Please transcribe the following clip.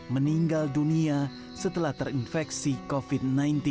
meninggal dunia setelah terinfeksi covid sembilan belas